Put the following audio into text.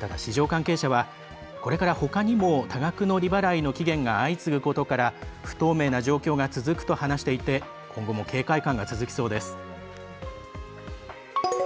ただ、市場関係者はこれから、ほかにも多額の利払いの期限が相次ぐことから不透明な状況が続くと話していて今後も警戒感が続きそうです。